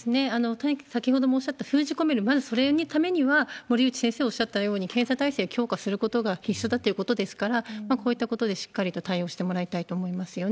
とにかく先ほどもおっしゃった、封じ込める、まずそのためには森内先生がおっしゃったように、検査体制を強化することが必須だということですから、こういったことでしっかりと対応してもらいたいと思いますよね。